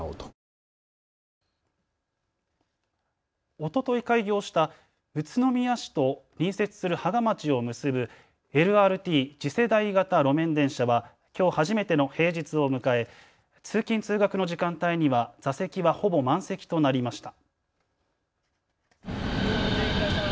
おととい開業した宇都宮市と隣接する芳賀町を結ぶＬＲＴ・次世代型路面電車はきょう初めての平日を迎え通勤通学の時間帯には座席はほぼ満席となりました。